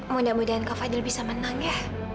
mudah mudahan kau fadil bisa menang ya